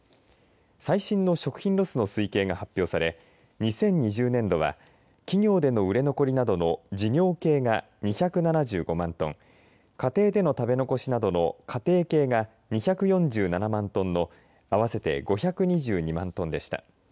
最新の食品ロスの推計が発表され２０２０年度は企業などの売れ残りなどの事業系が２７５万トン家庭での食べ残しなどの家庭系が２４７万トンの合わせて５２２万トンでした。